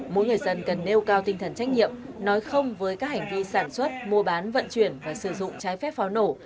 mỗi người dân cần nêu cao tinh thần trách nhiệm nói không với các hành vi sản xuất mua bán vận chuyển và sử dụng trái phép pháo nổ